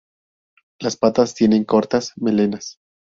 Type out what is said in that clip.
Las patas tienen cortas melenas.